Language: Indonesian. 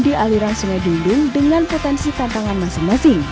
di aliran sungai dundung dengan potensi tantangan masing masing